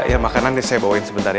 ya makanan ini saya bawain sebentar ya